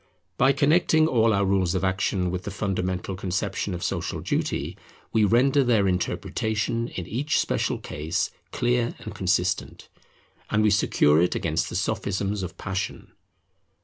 By connecting all our rules of action with the fundamental conception of social duty, we render their interpretation in each special case clear and consistent, and we secure it against the sophisms of passion.